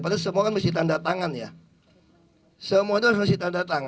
pada semoga mesin tanda tangan ya semoga masih tanda tangan hai hai hai hai hai hai hai hai